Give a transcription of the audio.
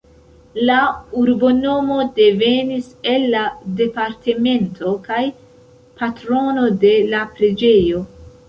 La urbonomo devenis el la departemento kaj patrono de la preĝejo.